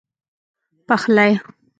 پخلی